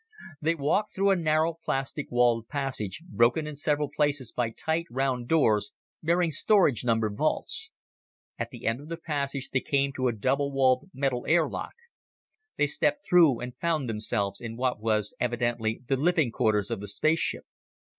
They walked through a narrow plastic walled passage, broken in several places by tight, round doors bearing storage vault numbers. At the end of the passage they came to a double walled metal air lock. They stepped through and found themselves in what was evidently the living quarters of the spaceship.